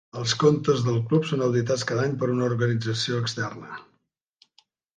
Els comptes del Club són auditats cada any per una organització externa.